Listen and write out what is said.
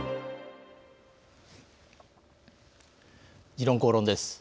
「時論公論」です。